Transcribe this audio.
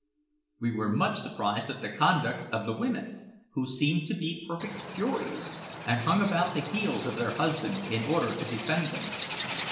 We were much surprised at the conduct of the women, who seemed to be perfect furies, and hung about the heels of their husbands in order to defend them.